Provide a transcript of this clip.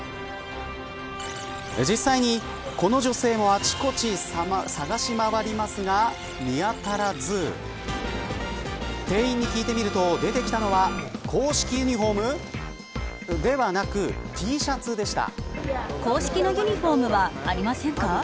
実際に、この女性もあちこち探し回りますが見当たらず店員に聞いてみると出てきたのは公式ユニホームではなくＴシャツでした。